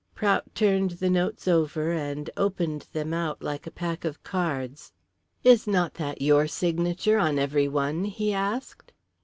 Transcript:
Prout turned the notes over and opened them out like a pack of cards. "Is not that your signature endorsed on every one?" he asked.